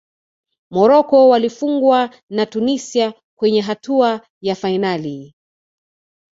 morocco walifungwa na tunisia kwenye hatua ya fainali